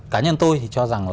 cá nhân tôi thì cho rằng